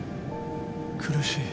苦しい。